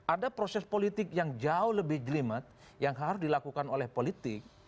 ada proses politik yang jauh lebih jelimet yang harus dilakukan oleh politik